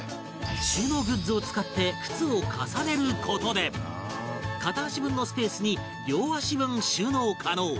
収納グッズを使って靴を重ねる事で片足分のスペースに両足分収納可能